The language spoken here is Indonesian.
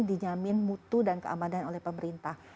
dinyamin mutu dan keamanan oleh pemerintah